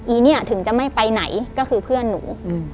เนี่ยถึงจะไม่ไปไหนก็คือเพื่อนหนู